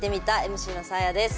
ＭＣのサーヤです。